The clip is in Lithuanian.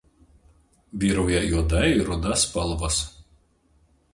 Vyrauja juoda ir ruda spalvos.